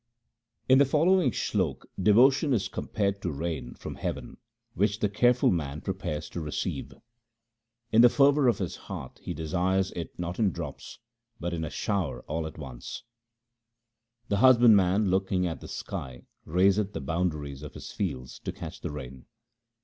In the following slok devotion is compared to rain from heaven, which the careful man prepares to receive. In the fervour of his heart he desires it not in drops but in a shower all at once :— The husbandman looking at the sky 1 raiseth the bound aries of his fields to catch the rain.